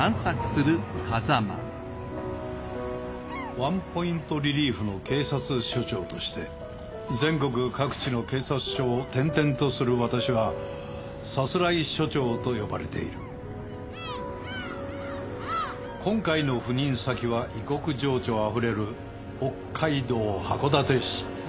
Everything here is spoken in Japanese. ワンポイントリリーフの警察署長として全国各地の警察署を点々とする私はさすらい署長と呼ばれている今回の赴任先は異国情緒あふれる北海道函館市。